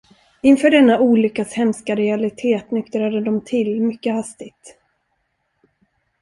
Inför denna olyckas hemska realitet nyktrade de till mycket hastigt.